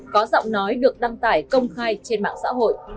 có giọng nói được đăng tải công khai trên mạng xã hội